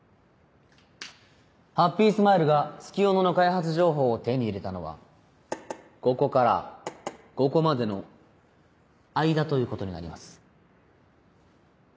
ハッピースマイルが月夜野の開発情報を手に入れたのはここからここまでの間ということになります。